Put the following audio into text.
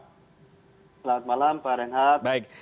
selamat malam pak renhat